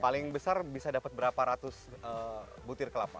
paling besar bisa dapat berapa ratus butir kelapa